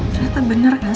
ternyata bener kan